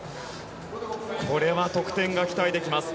これは得点が期待できます。